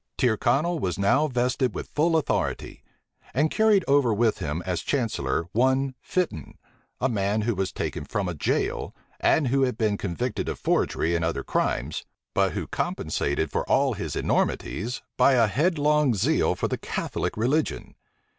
Tyrconnel was now vested with full authority; and carried over with him as chancellor one Fitton, a man who was taken from a jail, and who had been convicted of forgery and other crimes, but who compensated for all his enormities by a headlong zeal for the Catholic religion.